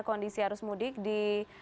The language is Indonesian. kondisi harus mudik di